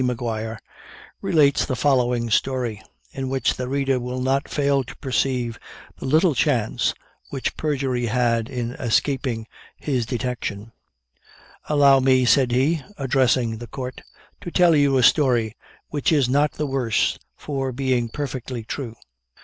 Maguire, relates the following story, in which the reader will not fail to perceive the little chance which perjury had in escaping his detection: "Allow me," said he, addressing the Court, "to tell you a story, which is not the worse for being perfectly true.